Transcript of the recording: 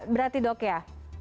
berarti dok ya